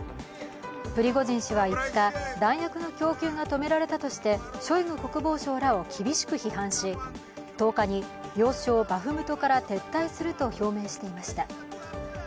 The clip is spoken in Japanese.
プリゴジン氏は５日、弾薬の供給が止められたとしてショイグ国防相らを厳しく批判し１０日に要衝バフムトから撤退すると表明していました。